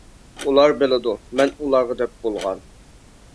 -ئۇلار بىلىدۇ، مەن ئۇلارغا دەپ بولغان.